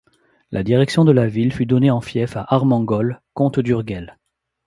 La direction de la ville fut donné en fief à Armengol, comte d'Urgell.